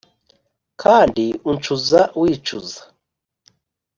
kandi uncuza wicuza